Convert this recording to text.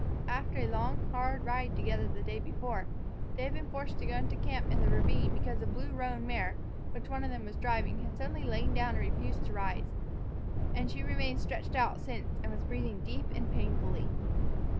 After a long, hard ride together the day before, they had been forced to go into camp in the ravine because the blue roan mare which one of them was driving had suddenly lain down and refused to rise. And she had remained stretched out since, and was breathing deep and painfully.